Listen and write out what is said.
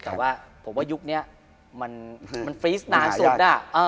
แต่ว่ายุคนี้มันฟรีสต์นานสุด